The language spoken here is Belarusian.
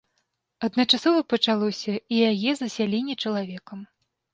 Адначасова пачалося і яе засяленне чалавекам.